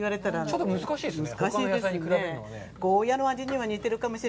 ちょっと難しいですね。